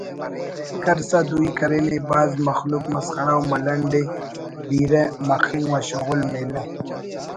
کرسا دوئی کرینے “ بھاز مخلوق مسخرہ و ملنڈ ءِ بیرہ مخنگ و شغل میلہ